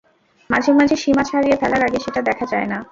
মাঝে মাঝে সীমা ছাড়িয়ে ফেলার আগে সেটা দেখা যায় না।